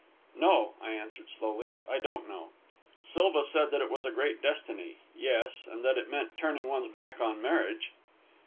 "No," I answered, slowly; "I don't know. Silva said it was a great destiny; yes, and that it meant turning one's back on marriage."